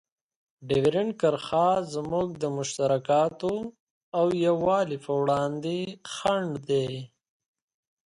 ډیورنډ کرښه زموږ د مشترکاتو او یووالي په وړاندې خنډ ده.